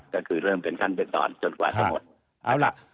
ก็คือเริ่มเป็นขั้นเปลี่ยนตอนจนกว่าจะหมด